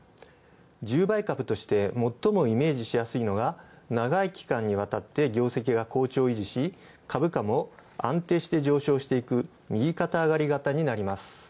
１０倍株としてもっともイメージしやすいのが長い期間にわたって上昇し、株価も安定して上昇していく、右肩上がり方になります。